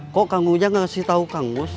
kok kang musnya tidak memberitahu kang mus